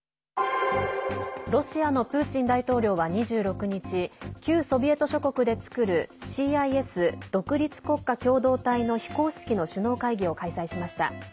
ロシアのプーチン大統領は２６日旧ソビエト諸国で作るＣＩＳ＝独立国家共同体の非公式の首脳会議を開催しました。